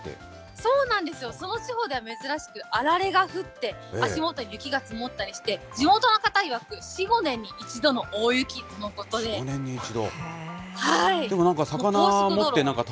そうなんですよ、その地方では珍しくあられが降って、足元、雪が積もったりして、地元の方いわく、４、５年に一度の大雪との４、５年に一度。